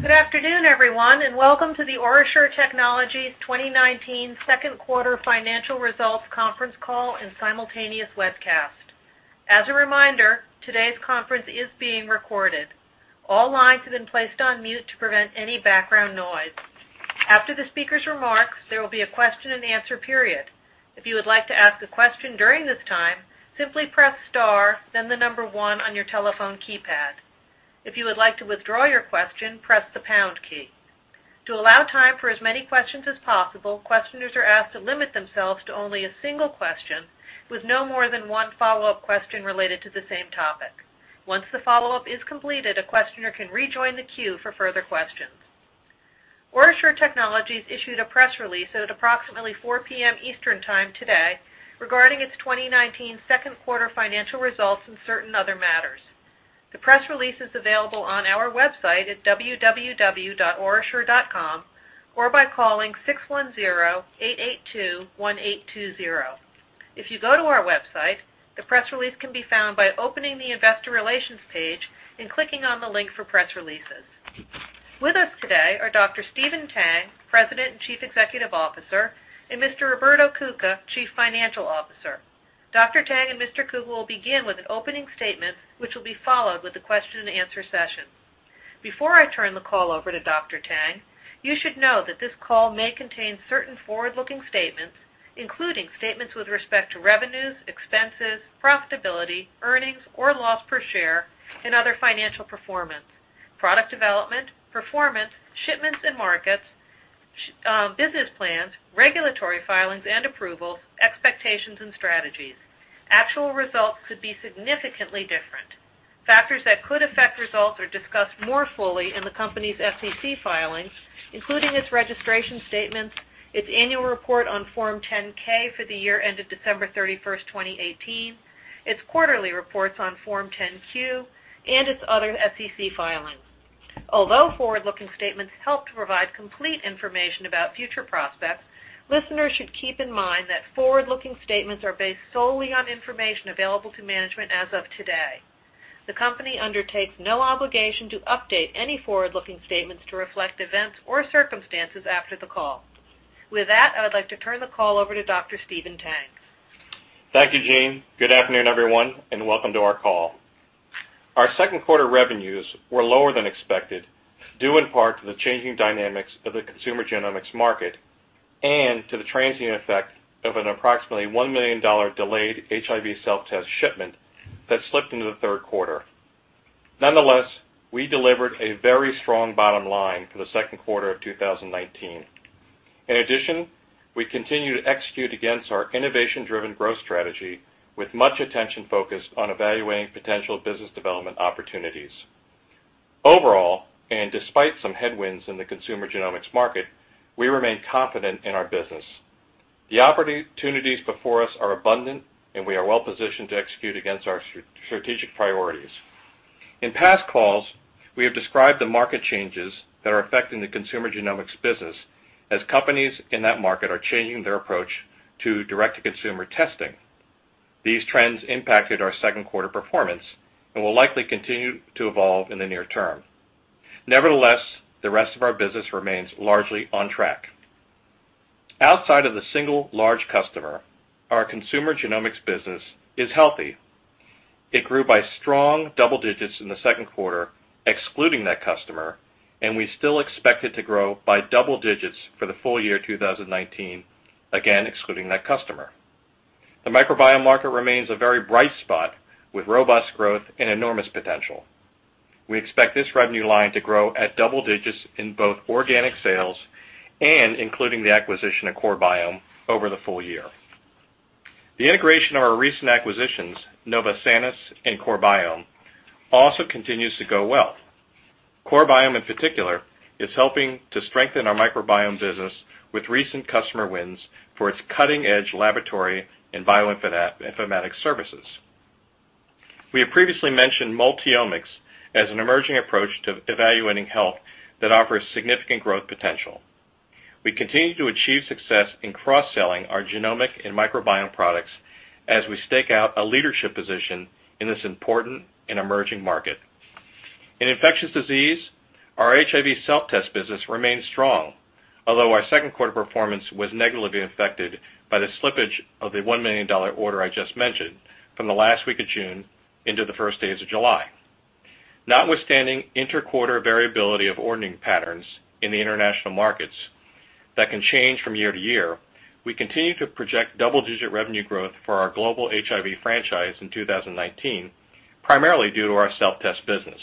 Good afternoon, everyone. Welcome to the OraSure Technologies 2019 second quarter financial results conference call and simultaneous webcast. As a reminder, today's conference is being recorded. All lines have been placed on mute to prevent any background noise. After the speaker's remarks, there will be a question and answer period. If you would like to ask a question during this time, simply press star, then the number one on your telephone keypad. If you would like to withdraw your question, press the pound key. To allow time for as many questions as possible, questioners are asked to limit themselves to only a single question with no more than one follow-up question related to the same topic. Once the follow-up is completed, a questioner can rejoin the queue for further questions. OraSure Technologies issued a press release at approximately 4:00 P.M. Eastern Time today regarding its 2019 second quarter financial results and certain other matters. The press release is available on our website at www.orasure.com or by calling 610-882-1820. If you go to our website, the press release can be found by opening the investor relations page and clicking on the link for press releases. With us today are Dr. Stephen Tang, President and Chief Executive Officer, and Mr. Roberto Cuca, Chief Financial Officer. Dr. Tang and Mr. Cuca will begin with an opening statement, which will be followed with a question and answer session. Before I turn the call over to Dr. Tang, you should know that this call may contain certain forward-looking statements, including statements with respect to revenues, expenses, profitability, earnings or loss per share and other financial performance, product development, performance, shipments and markets, business plans, regulatory filings and approvals, expectations, and strategies. Actual results could be significantly different. Factors that could affect results are discussed more fully in the company's SEC filings, including its registration statements, its annual report on Form 10-K for the year ended December 31st, 2018, its quarterly reports on Form 10-Q, and its other SEC filings. Although forward-looking statements help to provide complete information about future prospects, listeners should keep in mind that forward-looking statements are based solely on information available to management as of today. The company undertakes no obligation to update any forward-looking statements to reflect events or circumstances after the call. With that, I would like to turn the call over to Dr. Stephen Tang. Thank you, Jean. Good afternoon, everyone, welcome to our call. Our second quarter revenues were lower than expected, due in part to the changing dynamics of the consumer genomics market and to the transient effect of an approximately $1 million delayed HIV self-test shipment that slipped into the third quarter. Nonetheless, we delivered a very strong bottom line for the second quarter of 2019. In addition, we continue to execute against our innovation-driven growth strategy with much attention focused on evaluating potential business development opportunities. Overall, despite some headwinds in the consumer genomics market, we remain confident in our business. The opportunities before us are abundant, and we are well-positioned to execute against our strategic priorities. In past calls, we have described the market changes that are affecting the consumer genomics business as companies in that market are changing their approach to direct-to-consumer testing. These trends impacted our second quarter performance and will likely continue to evolve in the near term. Nevertheless, the rest of our business remains largely on track. Outside of the single large customer, our consumer genomics business is healthy. It grew by strong double digits in the second quarter, excluding that customer, and we still expect it to grow by double digits for the full year 2019, again, excluding that customer. The microbiome market remains a very bright spot with robust growth and enormous potential. We expect this revenue line to grow at double digits in both organic sales and including the acquisition of CoreBiome over the full year. The integration of our recent acquisitions, Novosanis and CoreBiome, also continues to go well. CoreBiome, in particular, is helping to strengthen our microbiome business with recent customer wins for its cutting-edge laboratory and bioinformatic services. We have previously mentioned multi-omics as an emerging approach to evaluating health that offers significant growth potential. We continue to achieve success in cross-selling our genomic and microbiome products as we stake out a leadership position in this important and emerging market. In infectious disease, our HIV self-test business remains strong, although our second quarter performance was negatively affected by the slippage of the $1 million order I just mentioned from the last week of June into the first days of July. Notwithstanding inter-quarter variability of ordering patterns in the international markets that can change from year to year, we continue to project double-digit revenue growth for our global HIV franchise in 2019, primarily due to our self-test business.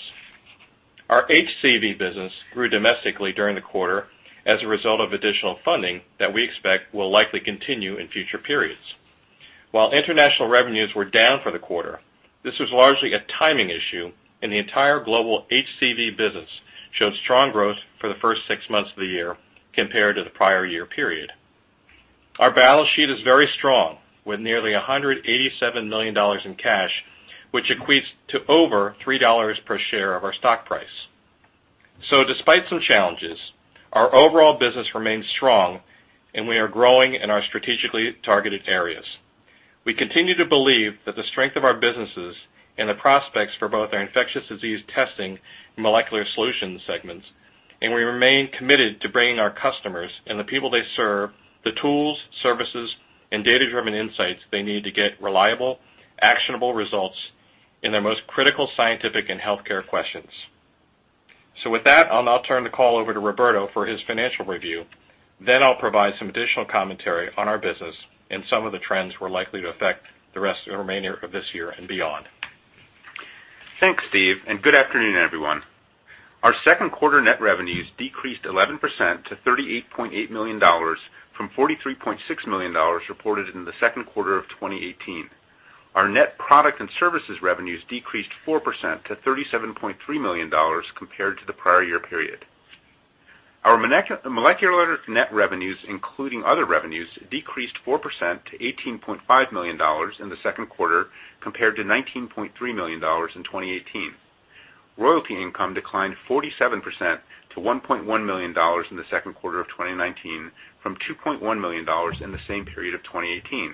Our HCV business grew domestically during the quarter as a result of additional funding that we expect will likely continue in future periods. While international revenues were down for the quarter, this was largely a timing issue, and the entire global HCV business showed strong growth for the first six months of the year compared to the prior year period. Our balance sheet is very strong with nearly $187 million in cash, which equates to over $3 per share of our stock price. Despite some challenges, our overall business remains strong, and we are growing in our strategically targeted areas. We continue to believe that the strength of our businesses and the prospects for both our infectious disease testing and molecular solutions segments, and we remain committed to bringing our customers and the people they serve, the tools, services, and data-driven insights they need to get reliable, actionable results in their most critical scientific and healthcare questions. With that, I'll now turn the call over to Roberto for his financial review. I'll provide some additional commentary on our business and some of the trends we're likely to affect the rest of the remainder of this year and beyond. Thanks, Steve. Good afternoon, everyone. Our second quarter net revenues decreased 11% to $38.8 million from $43.6 million reported in the second quarter of 2018. Our net product and services revenues decreased 4% to $37.3 million compared to the prior year period. Our molecular net revenues, including other revenues, decreased 4% to $18.5 million in the second quarter, compared to $19.3 million in 2018. Royalty income declined 47% to $1.1 million in the second quarter of 2019 from $2.1 million in the same period of 2018,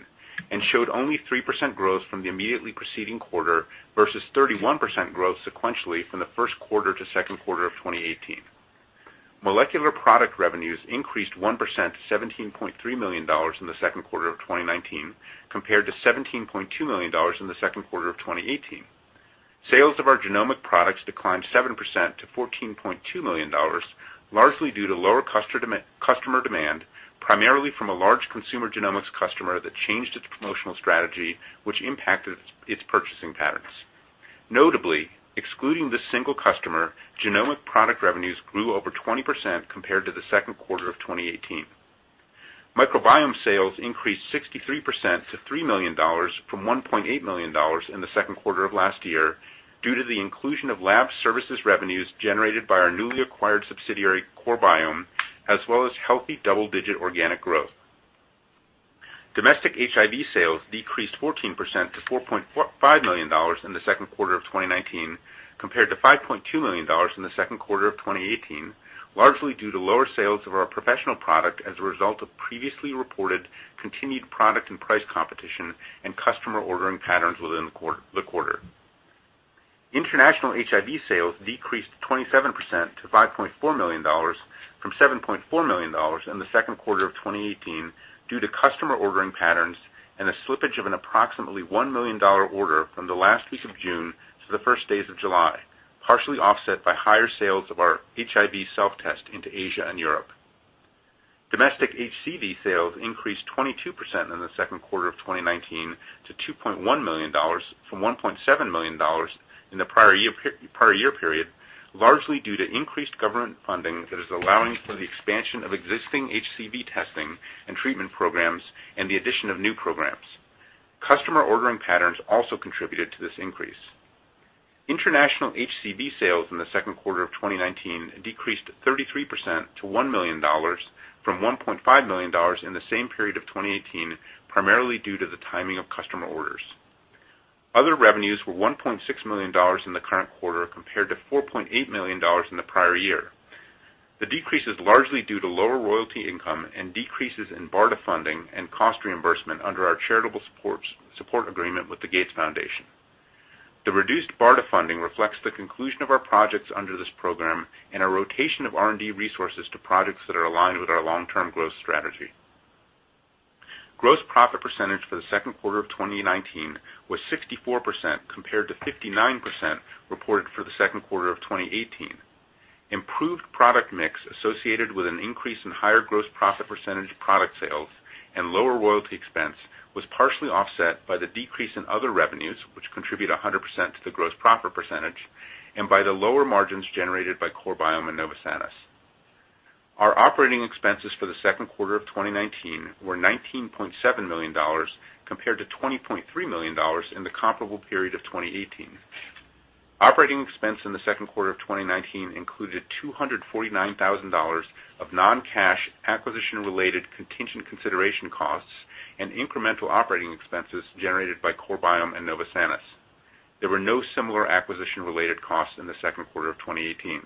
and showed only 3% growth from the immediately preceding quarter versus 31% growth sequentially from the first quarter to second quarter of 2018. Molecular product revenues increased 1%, $17.3 million in the second quarter of 2019 compared to $17.2 million in the second quarter of 2018. Sales of our genomic products declined 7% to $14.2 million, largely due to lower customer demand, primarily from a large consumer genomics customer that changed its promotional strategy, which impacted its purchasing patterns. Notably, excluding this single customer, genomic product revenues grew over 20% compared to the second quarter of 2018. Microbiome sales increased 63% to $3 million from $1.8 million in the second quarter of last year due to the inclusion of lab services revenues generated by our newly acquired subsidiary, CoreBiome, as well as healthy double-digit organic growth. Domestic HIV sales decreased 14% to $4.5 million in the second quarter of 2019 compared to $5.2 million in the second quarter of 2018, largely due to lower sales of our professional product as a result of previously reported continued product and price competition and customer ordering patterns within the quarter. International HIV sales decreased 27% to $5.4 million from $7.4 million in the second quarter of 2018 due to customer ordering patterns and a slippage of an approximately $1 million order from the last week of June to the first days of July, partially offset by higher sales of our HIV self-test into Asia and Europe. Domestic HCV sales increased 22% in the second quarter of 2019 to $2.1 million from $1.7 million in the prior year period, largely due to increased government funding that is allowing for the expansion of existing HCV testing and treatment programs and the addition of new programs. Customer ordering patterns also contributed to this increase. International HCV sales in the second quarter of 2019 decreased 33% to $1 million from $1.5 million in the same period of 2018, primarily due to the timing of customer orders. Other revenues were $1.6 million in the current quarter, compared to $4.8 million in the prior year. The decrease is largely due to lower royalty income and decreases in BARDA funding and cost reimbursement under our charitable support agreement with the Gates Foundation. The reduced BARDA funding reflects the conclusion of our projects under this program and a rotation of R&D resources to projects that are aligned with our long-term growth strategy. Gross profit percentage for the second quarter of 2019 was 64%, compared to 59% reported for the second quarter of 2018. Improved product mix associated with an increase in higher gross profit percentage product sales and lower royalty expense was partially offset by the decrease in other revenues, which contribute 100% to the gross profit percentage, and by the lower margins generated by CoreBiome and Novosanis. Our operating expenses for the second quarter of 2019 were $19.7 million, compared to $20.3 million in the comparable period of 2018. Operating expense in the second quarter of 2019 included $249,000 of non-cash acquisition-related contingent consideration costs and incremental operating expenses generated by CoreBiome and Novosanis. There were no similar acquisition-related costs in the second quarter of 2018.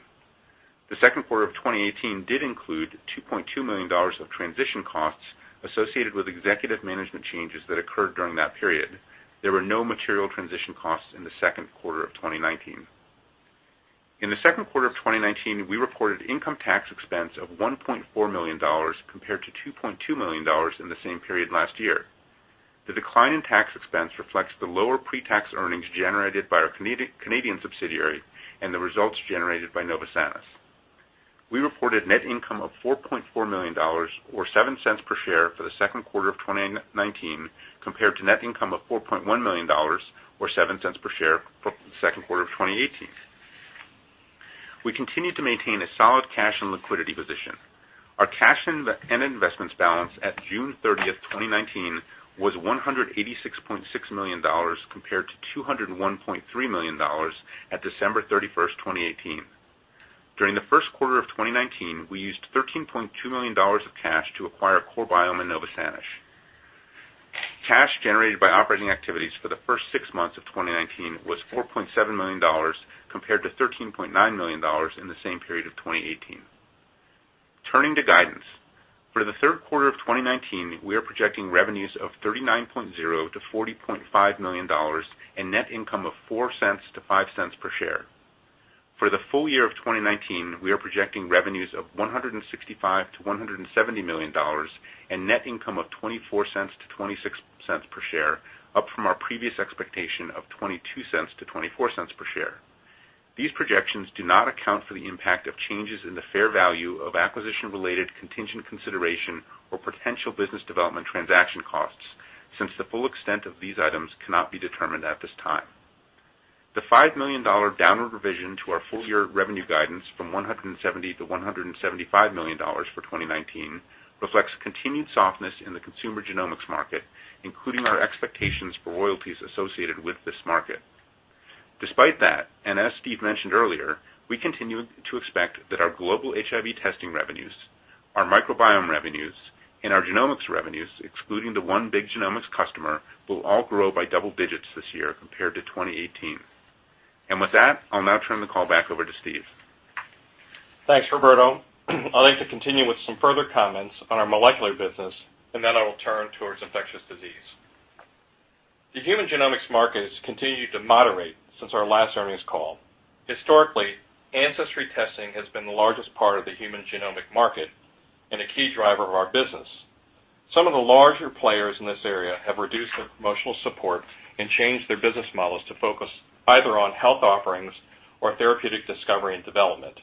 The second quarter of 2018 did include $2.2 million of transition costs associated with executive management changes that occurred during that period. There were no material transition costs in the second quarter of 2019. In the second quarter of 2019, we reported income tax expense of $1.4 million compared to $2.2 million in the same period last year. The decline in tax expense reflects the lower pre-tax earnings generated by our Canadian subsidiary and the results generated by Novosanis. We reported net income of $4.4 million or $0.07 per share for the second quarter of 2019 compared to net income of $4.1 million or $0.07 per share for the second quarter of 2018. We continue to maintain a solid cash and liquidity position. Our cash and investments balance at June 30th, 2019 was $186.6 million compared to $201.3 million at December 31st, 2018. During the first quarter of 2019, we used $13.2 million of cash to acquire CoreBiome and Novosanis. Cash generated by operating activities for the first six months of 2019 was $4.7 million, compared to $13.9 million in the same period of 2018. Turning to guidance. For the third quarter of 2019, we are projecting revenues of $39.0 million-$40.5 million and net income of $0.04 to $0.05 per share. For the full year of 2019, we are projecting revenues of $165 million-$170 million and net income of $0.24-$0.26 per share, up from our previous expectation of $0.22-$0.24 per share. These projections do not account for the impact of changes in the fair value of acquisition-related contingent consideration or potential business development transaction costs, since the full extent of these items cannot be determined at this time. The $5 million downward revision to our full-year revenue guidance from $170 million-$175 million for 2019 reflects continued softness in the consumer genomics market, including our expectations for royalties associated with this market. Despite that, as Steve mentioned earlier, we continue to expect that our global HIV testing revenues, our microbiome revenues, and our genomics revenues, excluding the one big genomics customer, will all grow by double digits this year compared to 2018. With that, I'll now turn the call back over to Steve. Thanks, Roberto. I'd like to continue with some further comments on our molecular business, then I will turn towards infectious disease. The human genomics market has continued to moderate since our last earnings call. Historically, Ancestry testing has been the largest part of the human genomics market and a key driver of our business. Some of the larger players in this area have reduced their promotional support and changed their business models to focus either on health offerings or therapeutic discovery and development.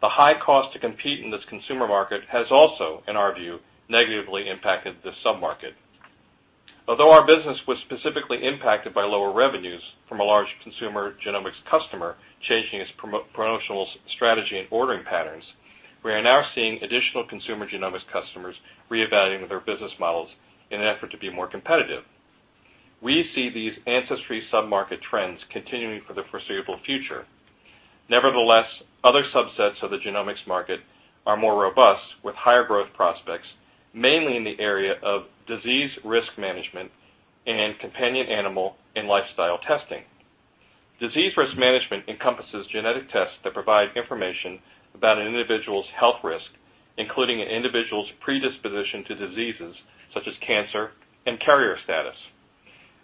The high cost to compete in this consumer market has also, in our view, negatively impacted this sub-market. Although our business was specifically impacted by lower revenues from a large consumer genomics customer changing its promotional strategy and ordering patterns, we are now seeing additional consumer genomics customers reevaluating their business models in an effort to be more competitive. We see these ancestry sub-market trends continuing for the foreseeable future. Nevertheless, other subsets of the genomics market are more robust with higher growth prospects, mainly in the area of disease risk management and companion animal and lifestyle testing. Disease risk management encompasses genetic tests that provide information about an individual's health risk, including an individual's predisposition to diseases such as cancer and carrier status.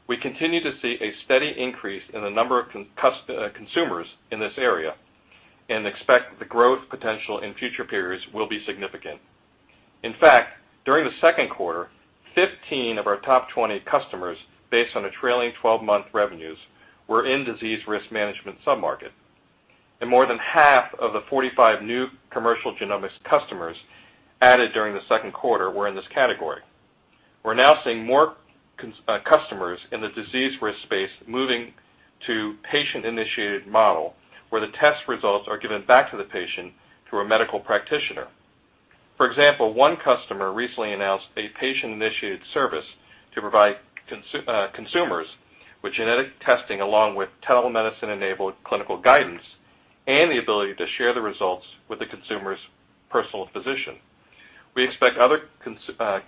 We continue to see a steady increase in the number of consumers in this area and expect the growth potential in future periods will be significant. In fact, during the second quarter, 15 of our top 20 customers, based on the trailing 12-month revenues, were in disease risk management sub-market, and more than half of the 45 new commercial genomics customers added during the second quarter were in this category. We're now seeing more customers in the disease risk space moving to patient-initiated model, where the test results are given back to the patient through a medical practitioner. For example, one customer recently announced a patient-initiated service to provide consumers with genetic testing, along with telemedicine-enabled clinical guidance and the ability to share the results with the consumer's personal physician. We expect other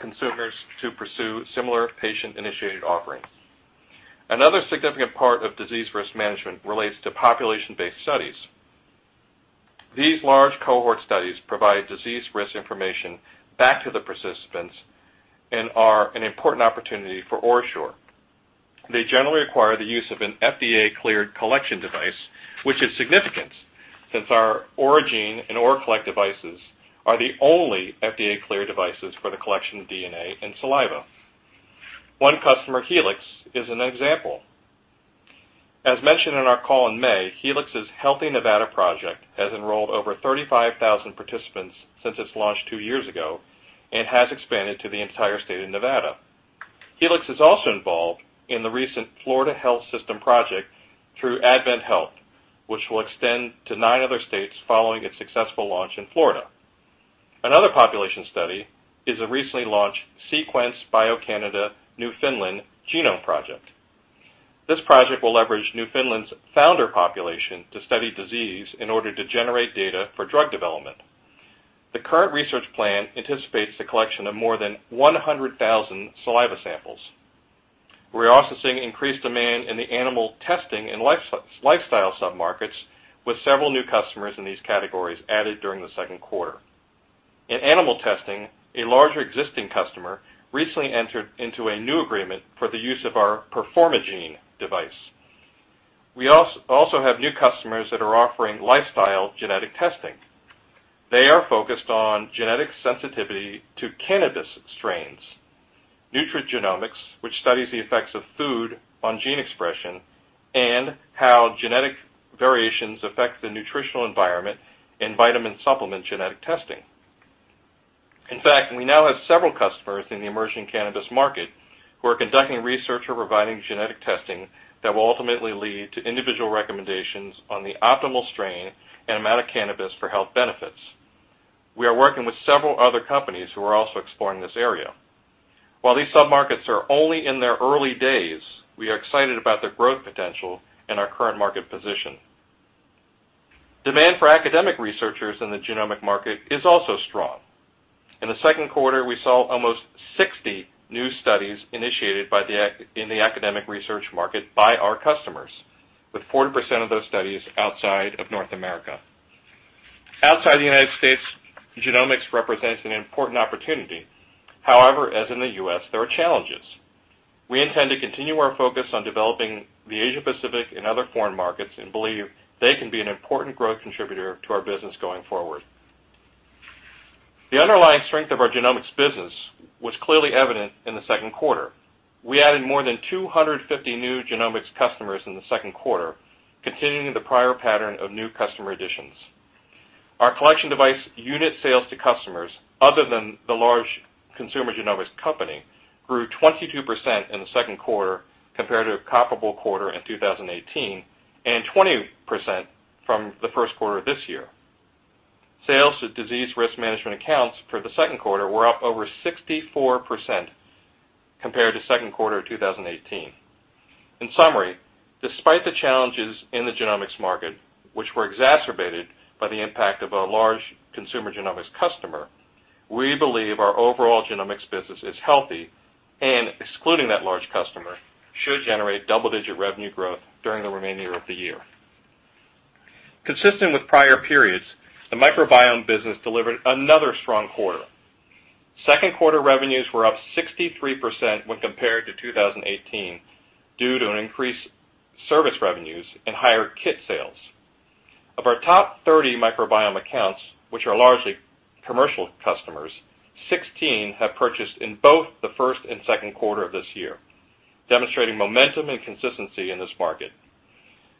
consumers to pursue similar patient-initiated offerings. Another significant part of disease risk management relates to population-based studies. These large cohort studies provide disease risk information back to the participants and are an important opportunity for OraSure. They generally require the use of an FDA-cleared collection device, which is significant since our Oragene and ORAcollect devices are the only FDA-cleared devices for the collection of DNA and saliva. One customer, Helix, is an example. As mentioned in our call in May, Helix's Healthy Nevada Project has enrolled over 35,000 participants since its launch two years ago and has expanded to the entire state of Nevada. Helix is also involved in the recent Florida Health System project through AdventHealth, which will extend to nine other states following its successful launch in Florida. Another population study is the recently launched Sequence Bio Canada Newfoundland Genome Project. This project will leverage Newfoundland's founder population to study disease in order to generate data for drug development. The current research plan anticipates the collection of more than 100,000 saliva samples. We are also seeing increased demand in the animal testing and lifestyle sub-markets, with several new customers in these categories added during the second quarter. In animal testing, a larger existing customer recently entered into a new agreement for the use of our PERFORMAgene device. We also have new customers that are offering lifestyle genetic testing. They are focused on genetic sensitivity to cannabis strains, nutrigenomics, which studies the effects of food on gene expression and how genetic variations affect the nutritional environment, and vitamin supplement genetic testing. In fact, we now have several customers in the emerging cannabis market who are conducting research or providing genetic testing that will ultimately lead to individual recommendations on the optimal strain and amount of cannabis for health benefits. We are working with several other companies who are also exploring this area. While these sub-markets are only in their early days, we are excited about their growth potential and our current market position. Demand for academic researchers in the genomic market is also strong. In the second quarter, we saw almost 60 new studies initiated in the academic research market by our customers, with 40% of those studies outside of North America. Outside the United States, genomics represents an important opportunity. As in the U.S., there are challenges. We intend to continue our focus on developing the Asia-Pacific and other foreign markets and believe they can be an important growth contributor to our business going forward. The underlying strength of our genomics business was clearly evident in the second quarter. We added more than 250 new genomics customers in the second quarter, continuing the prior pattern of new customer additions. Our collection device unit sales to customers, other than the large consumer genomics company, grew 22% in the second quarter compared to a comparable quarter in 2018 and 20% from the first quarter of this year. Sales to disease risk management accounts for the second quarter were up over 64% compared to second quarter of 2018. In summary, despite the challenges in the genomics market, which were exacerbated by the impact of a large consumer genomics customer, we believe our overall genomics business is healthy and, excluding that large customer, should generate double-digit revenue growth during the remaining year of the year. Consistent with prior periods, the microbiome business delivered another strong quarter. Second quarter revenues were up 63% when compared to 2018 due to an increase service revenues and higher kit sales. Of our top 30 microbiome accounts, which are largely commercial customers, 16 have purchased in both the first and second quarter of this year, demonstrating momentum and consistency in this market.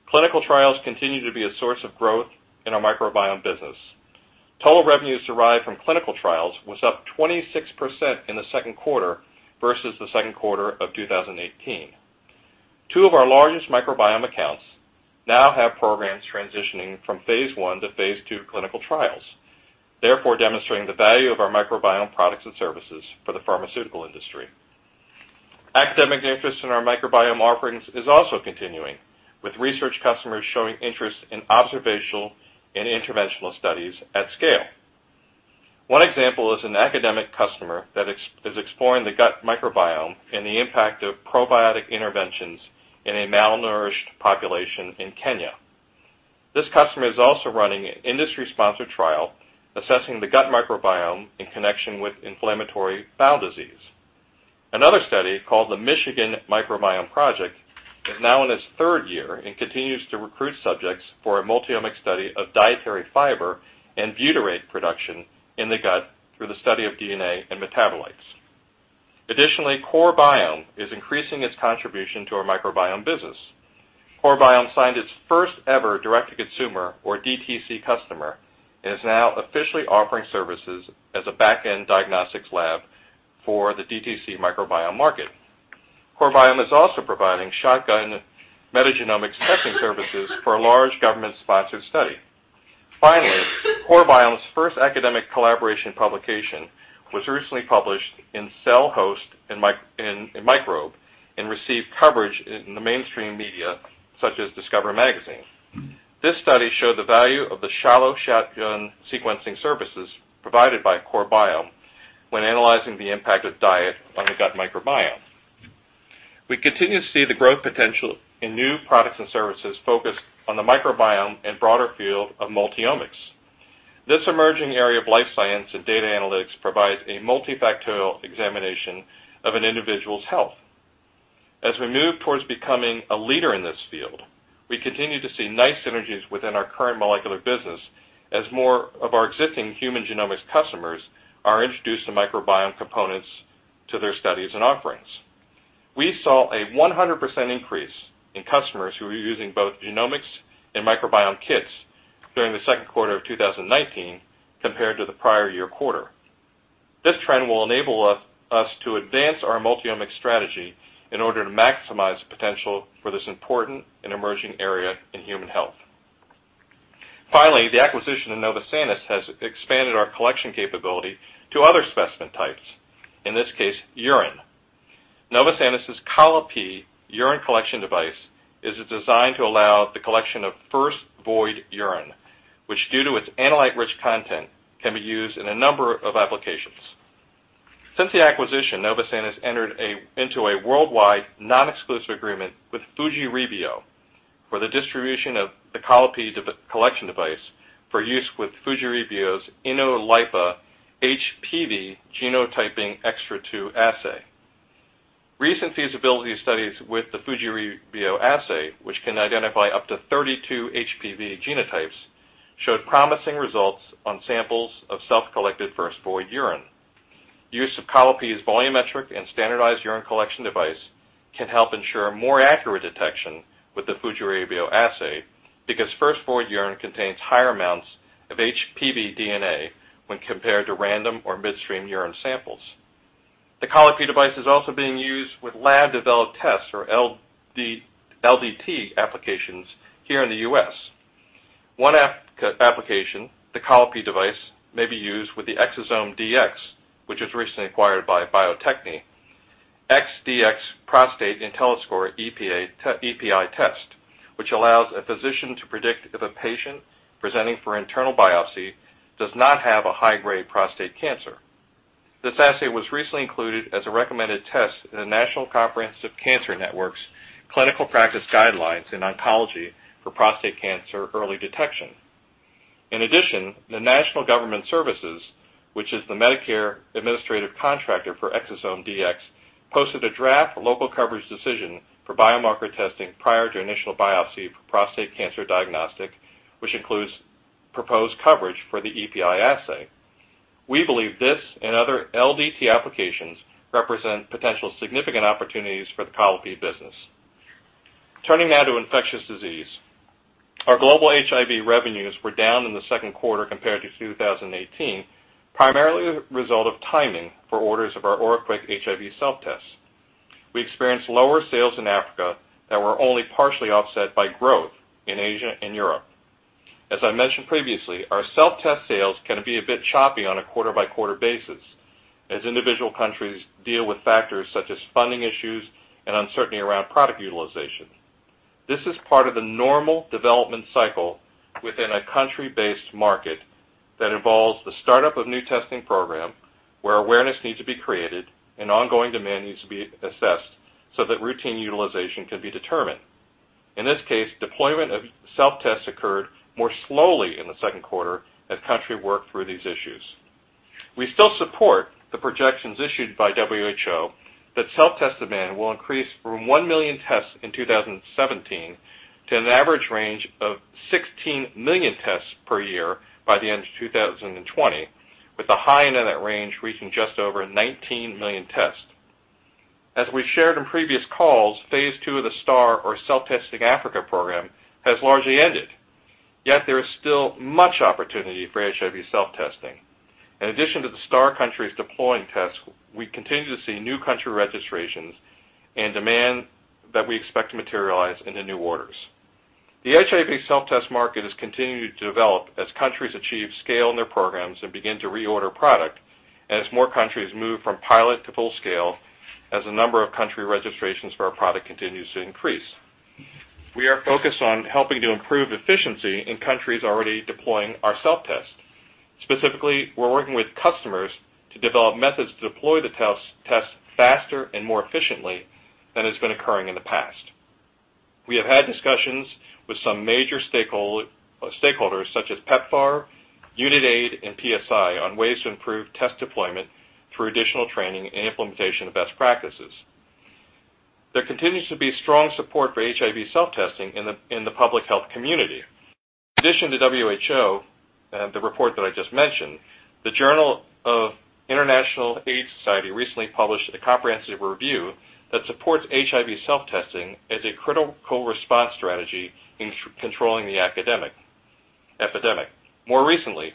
Clinical trials continue to be a source of growth in our microbiome business. Total revenues derived from clinical trials was up 26% in the second quarter versus the second quarter of 2018. Two of our largest microbiome accounts now have programs transitioning from phase I to phase II clinical trials, therefore demonstrating the value of our microbiome products and services for the pharmaceutical industry. Academic interest in our microbiome offerings is also continuing, with research customers showing interest in observational and interventional studies at scale. One example is an academic customer that is exploring the gut microbiome and the impact of probiotic interventions in a malnourished population in Kenya. This customer is also running an industry-sponsored trial assessing the gut microbiome in connection with inflammatory bowel disease. Another study, called the Michigan Microbiome Project, is now in its third year and continues to recruit subjects for a multi-omic study of dietary fiber and butyrate production in the gut through the study of DNA and metabolites. Additionally, CoreBiome is increasing its contribution to our microbiome business. CoreBiome signed its first-ever direct-to-consumer, or DTC, customer and is now officially offering services as a back-end diagnostics lab for the DTC microbiome market. CoreBiome is also providing shotgun metagenomic sequencing services for a large government-sponsored study. Finally, CoreBiome's first academic collaboration publication was recently published in Cell Host & Microbe and received coverage in the mainstream media, such as Discover Magazine. This study showed the value of the shallow shotgun sequencing services provided by CoreBiome when analyzing the impact of diet on the gut microbiome. We continue to see the growth potential in new products and services focused on the microbiome and broader field of multi-omics. This emerging area of life science and data analytics provides a multifactorial examination of an individual's health. As we move towards becoming a leader in this field, we continue to see nice synergies within our current molecular business as more of our existing human genomics customers are introduced to microbiome components to their studies and offerings. We saw a 100% increase in customers who were using both genomics and microbiome kits during the second quarter of 2019 compared to the prior year quarter. This trend will enable us to advance our multi-omic strategy in order to maximize the potential for this important and emerging area in human health. Finally, the acquisition of Novosanis has expanded our collection capability to other specimen types, in this case, urine. Novosanis' Colli-Pee urine collection device is designed to allow the collection of first-void urine, which due to its analyte-rich content, can be used in a number of applications. Since the acquisition, Novosanis entered into a worldwide non-exclusive agreement with Fujirebio for the distribution of the Colli-Pee collection device for use with Fujirebio's INNO-LiPA HPV Genotyping Extra II assay. Recent feasibility studies with the Fujirebio assay, which can identify up to 32 HPV genotypes, showed promising results on samples of self-collected first-void urine. Use of Colli-Pee's volumetric and standardized urine collection device can help ensure more accurate detection with the Fujirebio assay because first void urine contains higher amounts of HPV DNA when compared to random or midstream urine samples. The Colli-Pee device is also being used with lab-developed tests, or LDT applications here in the U.S. One application, the Colli-Pee device, may be used with the ExosomeDX, which was recently acquired by Bio-Techne ExoDx Prostate (IntelliScore) EPI test, which allows a physician to predict if a patient presenting for internal biopsy does not have a high-grade prostate cancer. This assay was recently included as a recommended test in the National Comprehensive Cancer Network's clinical practice guidelines in oncology for prostate cancer early detection. In addition, the National Government Services, which is the Medicare administrative contractor for ExosomeDX, posted a draft local coverage decision for biomarker testing prior to initial biopsy for prostate cancer diagnostic, which includes proposed coverage for the EPI assay. We believe this and other LDT applications represent potential significant opportunities for the Colli-Pee business. Turning now to infectious disease. Our global HIV revenues were down in the second quarter compared to 2018, primarily a result of timing for orders of our OraQuick HIV self-tests. We experienced lower sales in Africa that were only partially offset by growth in Asia and Europe. As I mentioned previously, our self-test sales can be a bit choppy on a quarter-by-quarter basis as individual countries deal with factors such as funding issues and uncertainty around product utilization. This is part of the normal development cycle within a country-based market that involves the startup of new testing program, where awareness needs to be created and ongoing demand needs to be assessed so that routine utilization can be determined. In this case, deployment of self-tests occurred more slowly in the second quarter as country worked through these issues. We still support the projections issued by WHO that self-test demand will increase from 1 million tests in 2017 to an average range of 16 million tests per year by the end of 2020, with the high end of that range reaching just over 19 million tests. As we've shared in previous calls, phase two of the STAR, or Self-Testing Africa program, has largely ended. There is still much opportunity for HIV self-testing. In addition to the STAR countries deploying tests, we continue to see new country registrations and demand that we expect to materialize into new orders. The HIV self-test market is continuing to develop as countries achieve scale in their programs and begin to reorder product, and as more countries move from pilot to full scale, as the number of country registrations for our product continues to increase. We are focused on helping to improve efficiency in countries already deploying our self-test. Specifically, we're working with customers to develop methods to deploy the tests faster and more efficiently than has been occurring in the past. We have had discussions with some major stakeholders such as PEPFAR, Unitaid, and PSI on ways to improve test deployment through additional training and implementation of best practices. There continues to be strong support for HIV self-testing in the public health community. In addition to WHO, the report that I just mentioned, the Journal of the International AIDS Society recently published a comprehensive review that supports HIV self-testing as a critical response strategy in controlling the epidemic. More recently,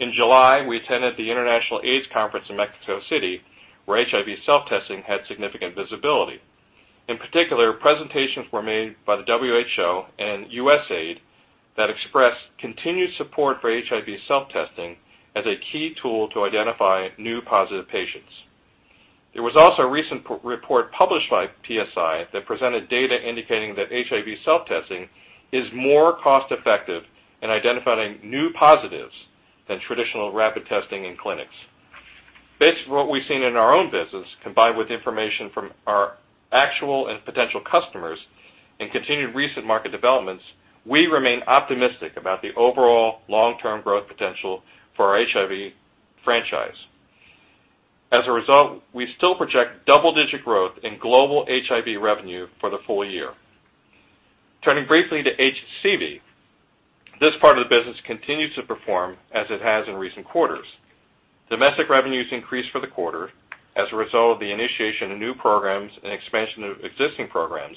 in July, we attended the International AIDS Conference in Mexico City, where HIV self-testing had significant visibility. In particular, presentations were made by the WHO and USAID that expressed continued support for HIV self-testing as a key tool to identify new positive patients. There was also a recent report published by PSI that presented data indicating that HIV self-testing is more cost-effective in identifying new positives than traditional rapid testing in clinics. Based on what we've seen in our own business, combined with information from our actual and potential customers and continued recent market developments, we remain optimistic about the overall long-term growth potential for our HIV franchise. As a result, we still project double-digit growth in global HIV revenue for the full year. Turning briefly to HCV. This part of the business continues to perform as it has in recent quarters. Domestic revenues increased for the quarter as a result of the initiation of new programs and expansion of existing programs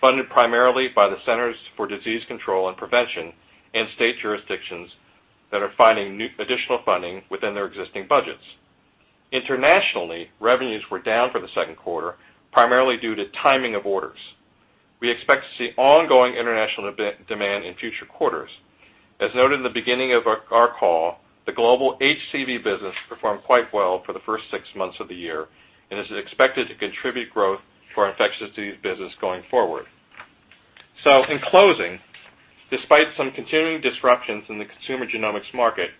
funded primarily by the Centers for Disease Control and Prevention and state jurisdictions that are finding additional funding within their existing budgets. Internationally, revenues were down for the second quarter, primarily due to timing of orders. We expect to see ongoing international demand in future quarters. As noted in the beginning of our call, the global HCV business performed quite well for the first six months of the year and is expected to contribute growth to our infectious disease business going forward. In closing, despite some continuing disruptions in the consumer genomics market,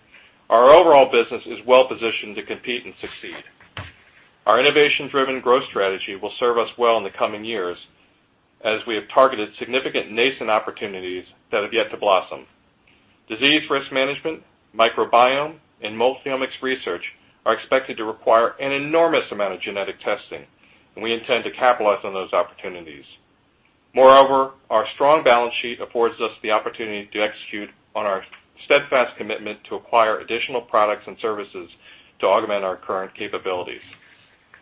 our overall business is well positioned to compete and succeed. Our innovation-driven growth strategy will serve us well in the coming years as we have targeted significant nascent opportunities that have yet to blossom. Disease risk management, microbiome, and multi-omics research are expected to require an enormous amount of genetic testing, and we intend to capitalize on those opportunities. Moreover, our strong balance sheet affords us the opportunity to execute on our steadfast commitment to acquire additional products and services to augment our current capabilities.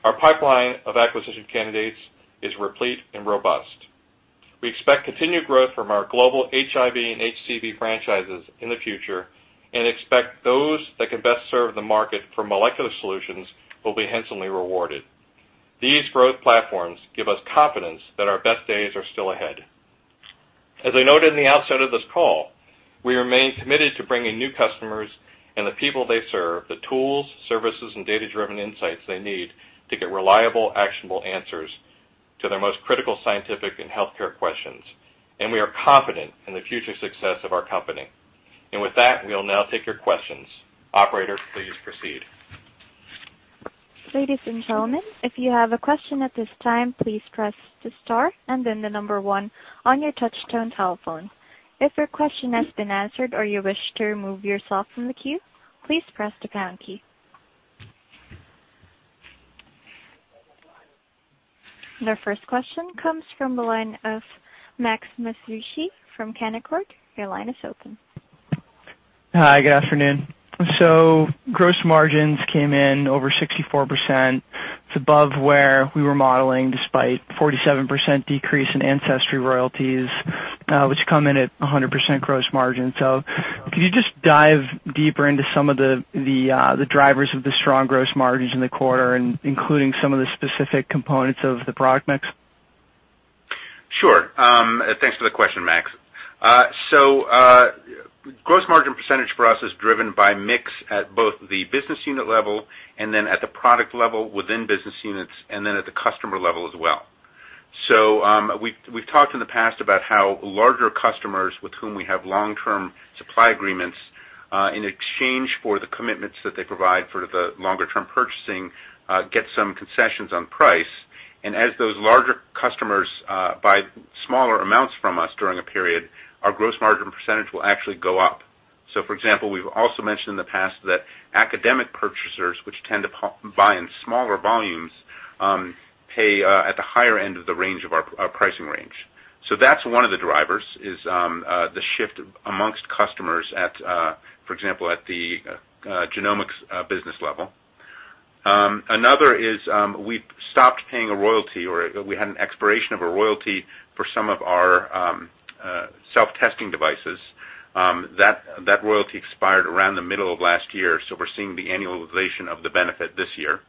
Our pipeline of acquisition candidates is replete and robust. We expect continued growth from our global HIV and HCV franchises in the future and expect those that can best serve the market for molecular solutions will be handsomely rewarded. These growth platforms give us confidence that our best days are still ahead. As I noted in the outset of this call, we remain committed to bringing new customers and the people they serve, the tools, services, and data-driven insights they need to get reliable, actionable answers to their most critical scientific and healthcare questions. We are confident in the future success of our company. With that, we'll now take your questions. Operator, please proceed. Ladies and gentlemen, if you have a question at this time, please press the star and then the number 1 on your touchtone telephone. If your question has been answered or you wish to remove yourself from the queue, please press the pound key. The first question comes from the line of Max Masucci from Canaccord. Your line is open. Hi, good afternoon. Gross margins came in over 64%. It's above where we were modeling, despite 47% decrease in Ancestry royalties, which come in at 100% gross margin. Can you just dive deeper into some of the drivers of the strong gross margins in the quarter, and including some of the specific components of the product mix? Sure. Thanks for the question, Max. Gross margin percentage for us is driven by mix at both the business unit level and then at the product level within business units, and then at the customer level as well. We've talked in the past about how larger customers with whom we have long-term supply agreements, in exchange for the commitments that they provide for the longer-term purchasing, get some concessions on price. As those larger customers buy smaller amounts from us during a period, our gross margin percentage will actually go up. For example, we've also mentioned in the past that academic purchasers, which tend to buy in smaller volumes, pay at the higher end of the range of our pricing range. That's one of the drivers, is the shift amongst customers, for example, at the genomics business level. Another is, we've stopped paying a royalty, or we had an expiration of a royalty for some of our self-testing devices. That royalty expired around the middle of last year. We're seeing the annualization of the benefit this year.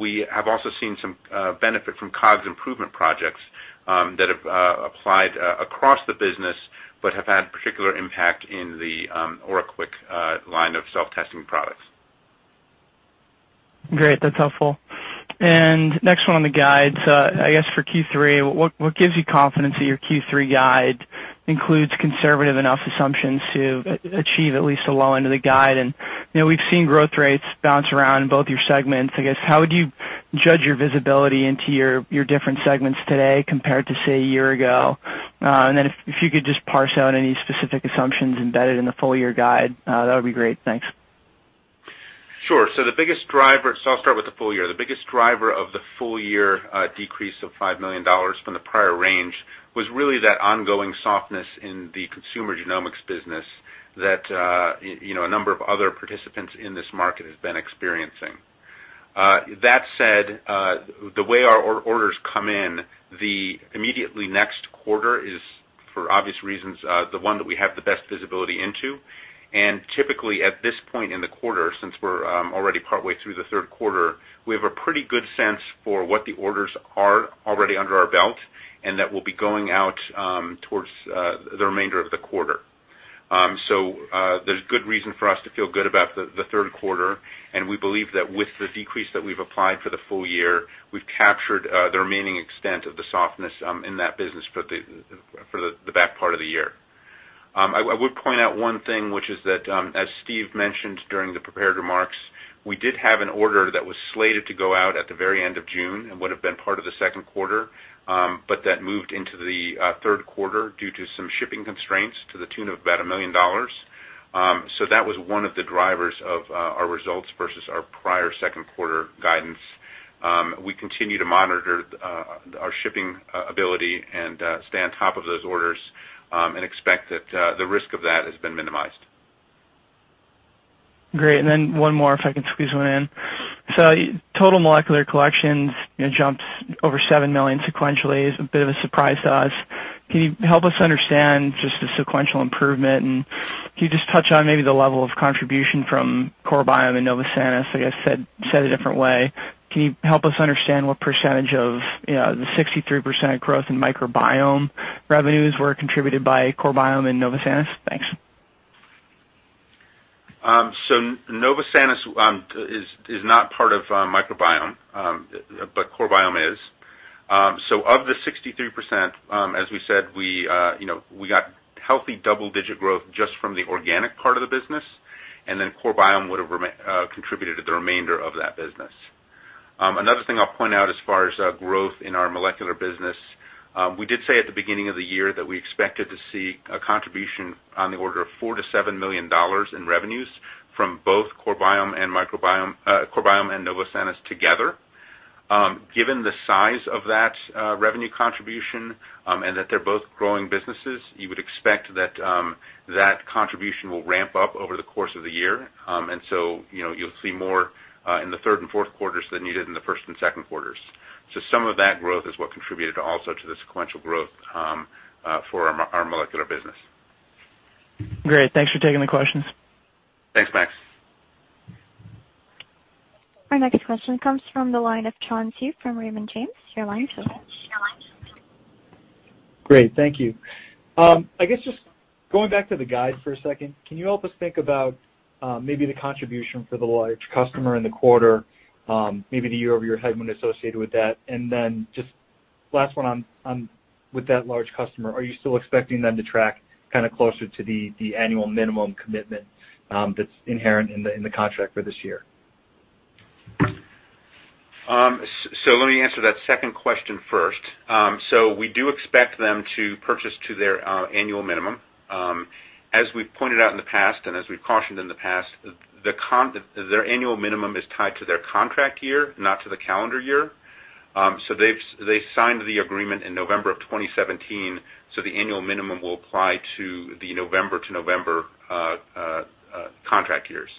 We have also seen some benefit from COGS improvement projects that have applied across the business but have had particular impact in the OraQuick line of self-testing products. Great. That's helpful. Next one on the guides. I guess for Q3, what gives you confidence that your Q3 guide includes conservative enough assumptions to achieve at least the low end of the guide? We've seen growth rates bounce around in both your segments. I guess, how would you judge your visibility into your different segments today compared to, say, a year ago? If you could just parse out any specific assumptions embedded in the full-year guide, that would be great. Thanks. Sure. I'll start with the full year. The biggest driver of the full-year decrease of $5 million from the prior range was really that ongoing softness in the consumer genomics business that a number of other participants in this market have been experiencing. That said, the way our orders come in the immediately next quarter is, for obvious reasons, the one that we have the best visibility into. Typically, at this point in the quarter, since we're already partway through the third quarter, we have a pretty good sense for what the orders are already under our belt, and that will be going out towards the remainder of the quarter. There's good reason for us to feel good about the third quarter, and we believe that with the decrease that we've applied for the full year, we've captured the remaining extent of the softness in that business for the back part of the year. I would point out one thing, which is that, as Steve mentioned during the prepared remarks, we did have an order that was slated to go out at the very end of June and would've been part of the second quarter, but that moved into the third quarter due to some shipping constraints to the tune of about $1 million. That was one of the drivers of our results versus our prior second quarter guidance. We continue to monitor our shipping ability and stay on top of those orders, and expect that the risk of that has been minimized. Great. One more, if I can squeeze one in. Total molecular collections jumped over 7 million sequentially. It was a bit of a surprise to us. Can you help us understand just the sequential improvement? Can you just touch on maybe the level of contribution from CoreBiome and Novosanis? I guess, said a different way, can you help us understand what percentage of the 63% growth in microbiome revenues were contributed by CoreBiome and Novosanis? Thanks. Novosanis is not part of microbiome, but CoreBiome is. Of the 63%, as we said, we got healthy double-digit growth just from the organic part of the business, and then CoreBiome would've contributed to the remainder of that business. Another thing I'll point out as far as growth in our molecular business, we did say at the beginning of the year that we expected to see a contribution on the order of $4 to $7 million in revenues from both CoreBiome and Novosanis together. Given the size of that revenue contribution, and that they're both growing businesses, you would expect that contribution will ramp up over the course of the year. You'll see more in the third and fourth quarters than you did in the first and second quarters. Some of that growth is what contributed also to the sequential growth for our molecular business. Great. Thanks for taking the questions. Thanks, Max. Our next question comes from the line of John Hsu from Raymond James. Your line is open. Great, thank you. I guess just going back to the guide for a second, can you help us think about maybe the contribution for the large customer in the quarter, maybe the year-over-year headwind associated with that? Just last one with that large customer, are you still expecting them to track closer to the annual minimum commitment that's inherent in the contract for this year? Let me answer that second question first. We do expect them to purchase to their annual minimum. As we've pointed out in the past, and as we've cautioned in the past, their annual minimum is tied to their contract year, not to the calendar year. They signed the agreement in November of 2017, so the annual minimum will apply to the November to November contract years.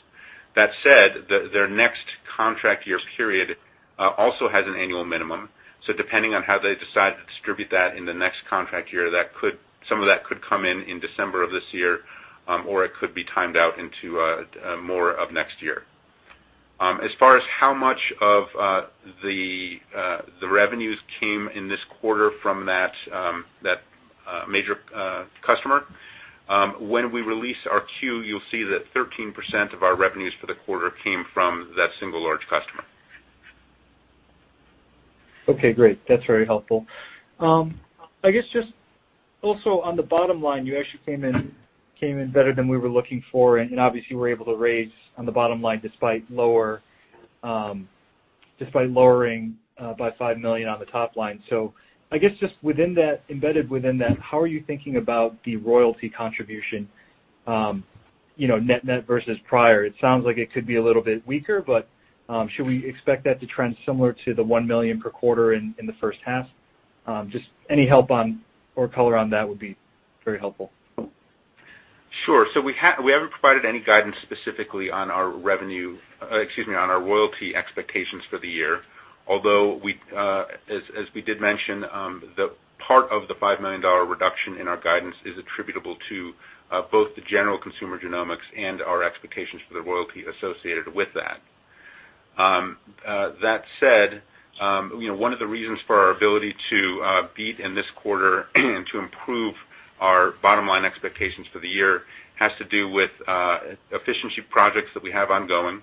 That said, their next contract year period also has an annual minimum, so depending on how they decide to distribute that in the next contract year, some of that could come in in December of this year, or it could be timed out into more of next year. As far as how much of the revenues came in this quarter from that major customer, when we release our Q, you'll see that 13% of our revenues for the quarter came from that single large customer. Okay, great. That's very helpful. I guess just also on the bottom line, you actually came in better than we were looking for. Obviously, you were able to raise on the bottom line despite lowering by $5 million on the top line. I guess just embedded within that, how are you thinking about the royalty contribution net net versus prior? It sounds like it could be a little bit weaker. Should we expect that to trend similar to the $1 million per quarter in the first half? Just any help or color on that would be very helpful. Sure. We haven't provided any guidance specifically on our revenue, excuse me, on our royalty expectations for the year. Although, as we did mention, the part of the $5 million reduction in our guidance is attributable to both the general consumer genomics and our expectations for the royalty associated with that. That said, one of the reasons for our ability to beat in this quarter and to improve our bottom-line expectations for the year has to do with efficiency projects that we have ongoing,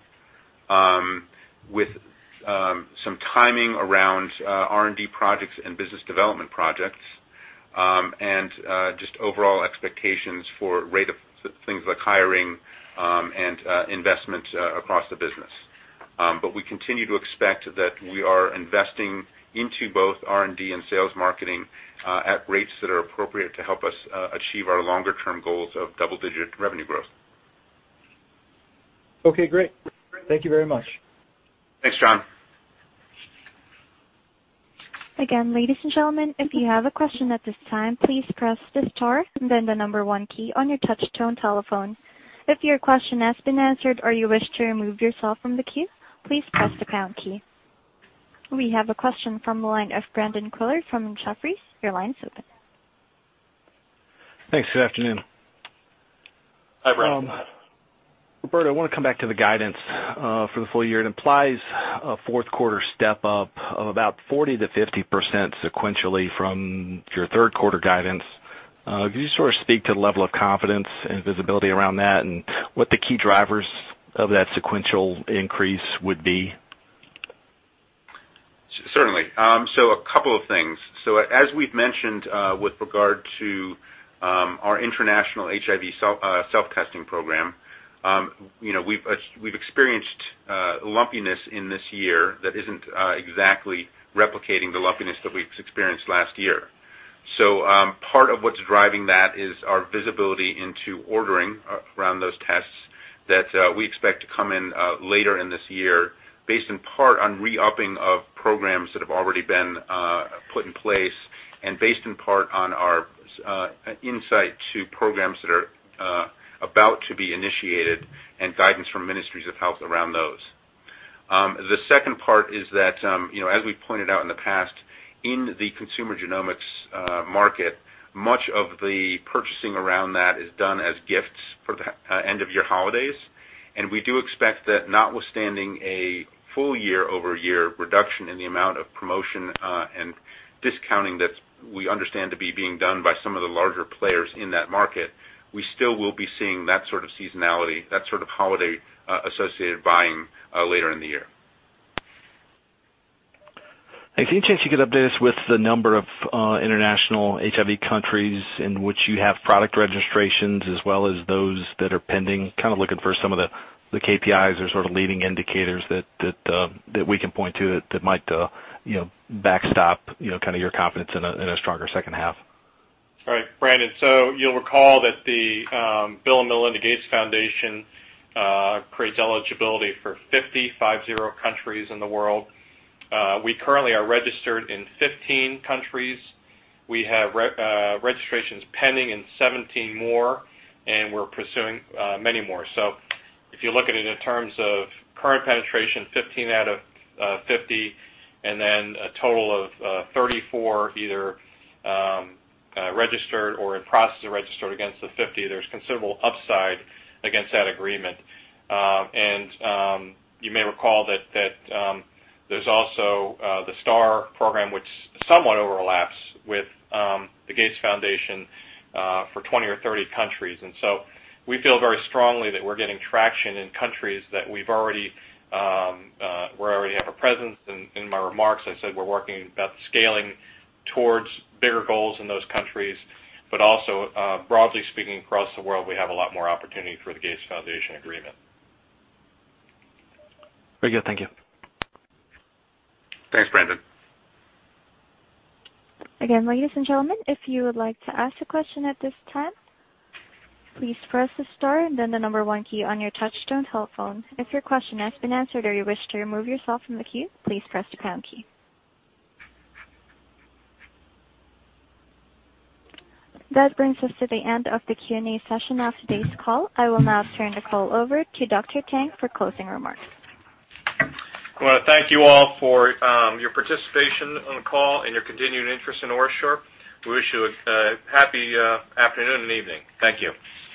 with some timing around R&D projects and business development projects, and just overall expectations for rate of things like hiring and investment across the business. We continue to expect that we are investing into both R&D and sales marketing at rates that are appropriate to help us achieve our longer-term goals of double-digit revenue growth. Okay, great. Thank you very much. Thanks, John. Again, ladies and gentlemen, if you have a question at this time, please press star and then the number 1 key on your touch-tone telephone. If your question has been answered or you wish to remove yourself from the queue, please press the pound key. We have a question from the line of Brandon Couillard from Jefferies. Your line is open. Thanks. Good afternoon. Hi, Brandon. Roberto, I want to come back to the guidance for the full year. It implies a fourth-quarter step-up of about 40%-50% sequentially from your third-quarter guidance. Could you sort of speak to the level of confidence and visibility around that, and what the key drivers of that sequential increase would be? Certainly. A couple of things. As we've mentioned with regard to our international HIV self-testing program, we've experienced lumpiness in this year that isn't exactly replicating the lumpiness that we've experienced last year. Part of what's driving that is our visibility into ordering around those tests that we expect to come in later in this year, based in part on re-upping of programs that have already been put in place and based in part on our insight to programs that are about to be initiated and guidance from ministries of health around those. The second part is that, as we pointed out in the past, in the consumer genomics market, much of the purchasing around that is done as gifts for the end-of-year holidays. We do expect that notwithstanding a full year-over-year reduction in the amount of promotion and discounting that we understand to be being done by some of the larger players in that market, we still will be seeing that sort of seasonality, that sort of holiday-associated buying later in the year. Any chance you could update us with the number of international HIV countries in which you have product registrations as well as those that are pending? Kind of looking for some of the KPIs or sort of leading indicators that we can point to that might backstop your confidence in a stronger second half. All right, Brandon. You'll recall that the Bill & Melinda Gates Foundation creates eligibility for 50 countries in the world. We currently are registered in 15 countries. We have registrations pending in 17 more, and we're pursuing many more. If you look at it in terms of current penetration, 15 out of 50, and then a total of 34 either registered or in process of registered against the 50, there's considerable upside against that agreement. You may recall that there's also the STAR program, which somewhat overlaps with the Gates Foundation for 20 or 30 countries. We feel very strongly that we're getting traction in countries that we already have a presence. In my remarks, I said we're working about scaling towards bigger goals in those countries, but also, broadly speaking, across the world, we have a lot more opportunity through the Gates Foundation agreement. Very good. Thank you. Thanks, Brandon. Ladies and gentlemen, if you would like to ask a question at this time, please press star and then the number 1 key on your touch-tone telephone. If your question has been answered or you wish to remove yourself from the queue, please press the pound key. That brings us to the end of the Q&A session of today's call. I will now turn the call over to Dr. Tang for closing remarks. I want to thank you all for your participation on the call and your continued interest in OraSure. We wish you a happy afternoon and evening. Thank you.